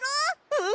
うん！